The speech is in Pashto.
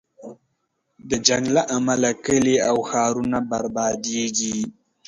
د جنګ له امله کلی او ښارونه بربادېږي.